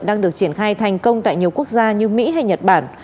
đang được triển khai thành công tại nhiều quốc gia như mỹ hay nhật bản